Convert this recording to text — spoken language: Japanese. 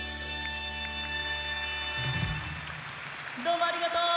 どうもありがとう！